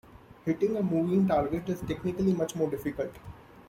Hitting a moving target is technically much more difficult.